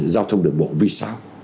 giao thông đường bộ vì sao